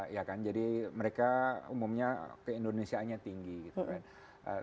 ya kan jadi mereka umumnya keindonesiaannya tinggi gitu kan